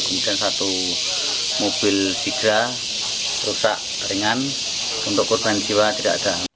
kemudian satu mobil tiga rusak ringan untuk korban jiwa tidak ada